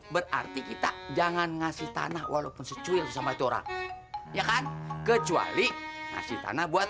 berarti kita jangan ngasih tanah walaupun secuil sesama itura ya kan kecuali ngasih tanah buat